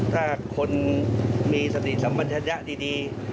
ถ้าคนมีสติสัมบัติธัณฑ์ดี